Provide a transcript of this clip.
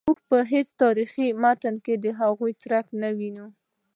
موږ په هیڅ تاریخي متن کې د هغوی څرک نه وینو.